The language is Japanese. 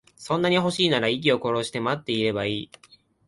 そんなに欲しいんなら、息を殺して待ってればいい。